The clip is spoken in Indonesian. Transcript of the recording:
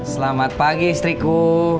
selamat pagi istriku